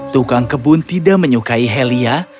tukang kebun tidak menyukai helia